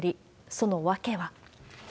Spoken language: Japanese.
その訳は。